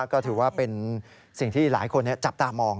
ก็ถือว่าเป็นสิ่งที่หลายคนจับตามอง